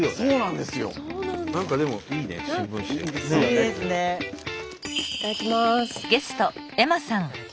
いただきます！